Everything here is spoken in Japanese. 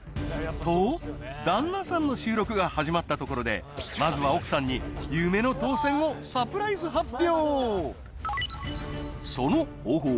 と旦那さんの収録が始まったところでまずは奥さんに夢の当選をサプライズ発表